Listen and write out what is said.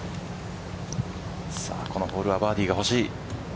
このホールはバーディーが欲しい。